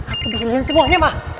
apa bisa dihiasin semuanya ma